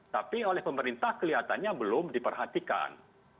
tapi oleh pemerintah kelihatannya belum diperhatikan